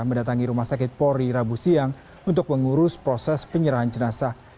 mendatangi rumah sakit polri rabu siang untuk mengurus proses penyerahan jenazah